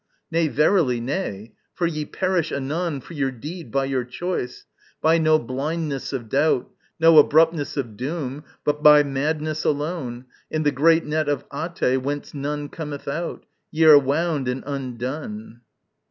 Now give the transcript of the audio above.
Nay, verily, nay! for ye perish anon For your deed by your choice. By no blindness of doubt, No abruptness of doom, but by madness alone, In the great net of Até, whence none cometh out, Ye are wound and undone.